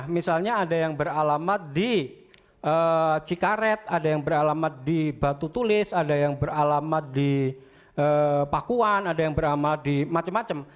misalnya ada yang beralamat di cikaret ada yang beralamat di batu tulis ada yang beralamat di pakuan ada yang beramal di macem macem